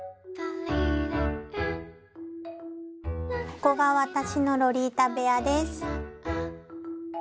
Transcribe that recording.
ここが私のロリータ部屋です。